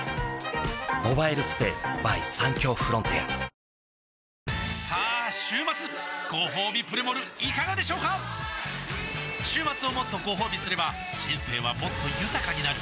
自由を奪われたり、さあ週末ごほうびプレモルいかがでしょうか週末をもっとごほうびすれば人生はもっと豊かになる！